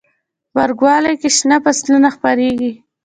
غبرګولی کې شنه فصلونه پراخیږي.